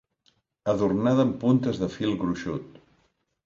Adornada amb puntes de fil gruixut.